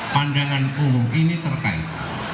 pandangan umum ini terkait